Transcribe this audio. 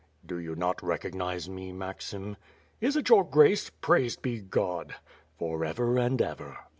"Do you not recognize me, Maxim?" "Is it your Grace? Praised be God." "For ever and ever.